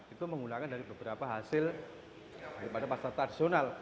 itu menggunakan dari beberapa hasil daripada pasar tradisional